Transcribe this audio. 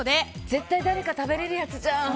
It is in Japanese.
絶対誰かが食べられるやつじゃん。